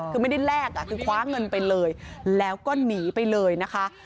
คือไม่ได้แลกอ่ะคือคว้าเงินไปเลยแล้วก็หนีไปเลยนะคะ